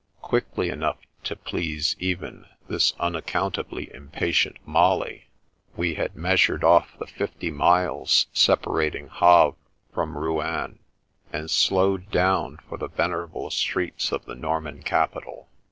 Quickly enough to please even 34 The Princess Passes this unaccountably impatient Molly, we had meas ured off the fifty miles separating Havre from Rouen, and slowed down for the venerable streets of the Norman capital.